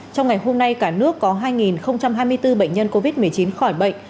trong ngày hôm nay cả nước có hai hai mươi bốn bệnh nhân covid một mươi chín khỏi bệnh